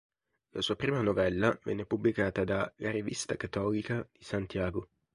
La sua prima novella venne pubblicata da "La Revista Católica" di Santiago.